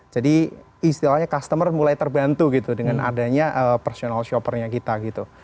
jadi istilahnya customer mulai terbantu gitu dengan adanya personal shoppernya kita gitu